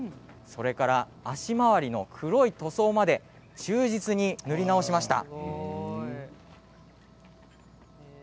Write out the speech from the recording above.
足周りの黒い塗装まで忠実に塗り直しました。